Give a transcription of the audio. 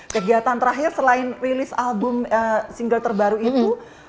kegiatan terakhir selain rilis album single terbaru ibu